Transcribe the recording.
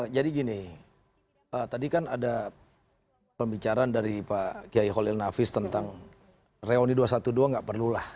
jadi gini tadi kan ada pembicaraan dari pak kiai kholil nafis tentang reuni dua ratus dua belas tidak perlulah